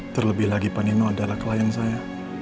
terlebih lagi penino adalah klien saya